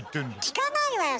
聞かないわよ